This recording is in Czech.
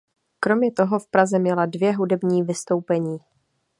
Kromě toho v Praze měla dvě hudební vystoupení.